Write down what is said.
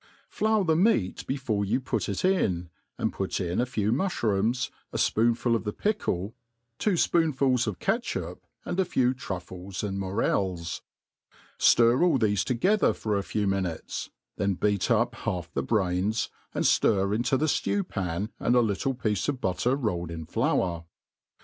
Flour the meat before you put it in, and put in a few mulbroomsy m fpoonful of the pickle, two fpoonfuls of catchup, and a few truffles and morels ; ftir all thefe together for a few minutest, then beat up half the brains, and ftir into the ftew pan, and « little piece of b^tter rolled in flour.